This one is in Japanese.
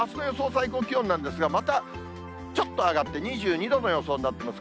最高気温なんですが、またちょっと上がって２２度の予想になっています。